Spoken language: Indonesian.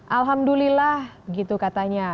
alhamdulillah gitu katanya